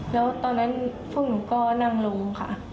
แล้วตอนนั้นพวกหนูก็นั่งลงค่ะ